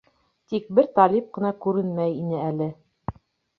Тик бер Талип ҡына күренмәй ине әле.